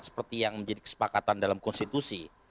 seperti yang menjadi kesepakatan dalam konstitusi